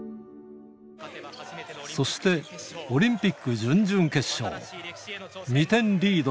そして、オリンピック準々決勝。